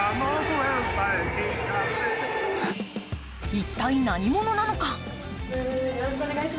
一体、何者なのか。